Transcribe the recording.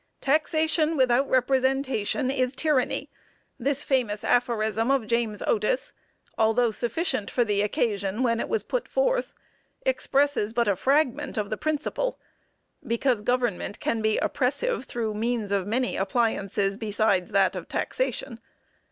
"Taxation without representation is tyranny." This famous aphorism of James Otis, although sufficient for the occasion when it was put forth, expresses but a fragment of the principle, because government can be oppressive through means of many appliances besides that of taxation.